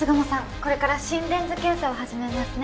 これから心電図検査を始めますね